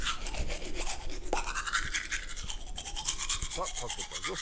「さあ描けたぞ。